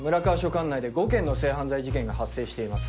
管内で５件の性犯罪事件が発生しています。